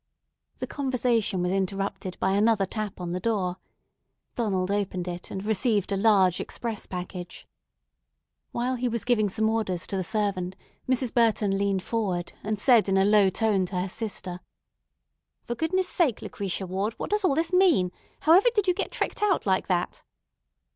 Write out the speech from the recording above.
The conversation was interrupted by another tap on the door. Donald opened it, and received a large express package. While he was giving some orders to the servant, Mrs. Burton leaned forward, and said in a low tone to her sister: "For goodness' sake, Lucretia Ward, what does all this mean? How ever did you get tricked out like that?"